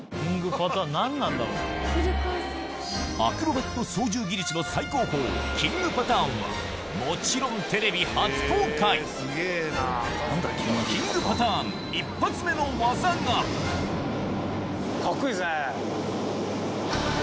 アクロバット操縦技術の最高峰キングパターンはもちろんテレビ初公開キングパターン１発目の技がお！